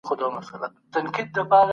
کابینه کلتوري تبادله نه دروي.